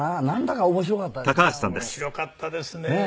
なんだか面白かったですね。